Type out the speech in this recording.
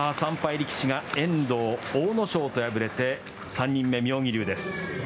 力士が遠藤、阿武咲と敗れて３人目、妙義龍です。